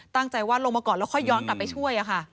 ตั้งใจว่าลงมาก่อนแล้วค่อยย้อนกลับไปช่วย